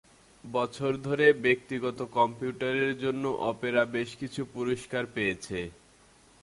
বছর ধরে, ব্যক্তিগত কম্পিউটারের জন্য অপেরা বেশ কিছু পুরস্কার পেয়েছে।